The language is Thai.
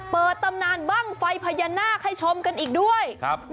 เปิดตำนานบ้างไฟพญานาคให้ชมกันอีกด้วย